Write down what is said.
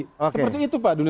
seperti itu pak